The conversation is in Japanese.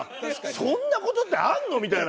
そんな事ってあるの？みたいな。